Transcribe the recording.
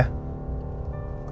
ketemu sekarang ya